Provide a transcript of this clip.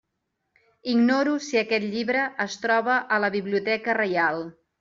Ignoro si aquest llibre es troba a la Biblioteca Reial.